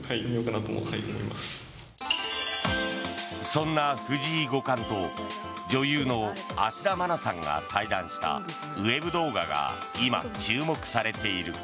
そんな藤井五冠と女優の芦田愛菜さんが対談したウェブ動画が今、注目されている。